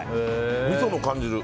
みその感じだ。